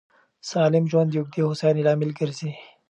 سالم ژوند د اوږدې هوساینې لامل ګرځي.